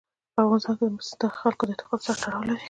په افغانستان کې مس د خلکو د اعتقاداتو سره تړاو لري.